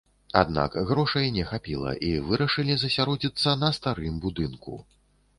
Аднак грошай не хапіла, і вырашылі засяродзіцца на старым будынку.